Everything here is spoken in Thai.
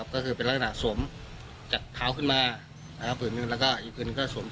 ก็คือเป็นราคาสวม